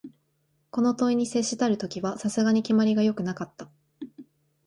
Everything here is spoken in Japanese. この問に接したる時は、さすがに決まりが善くはなかった